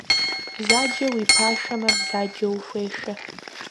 Бзаджэ уи пашэмэ, бзаджэ ухуешэ.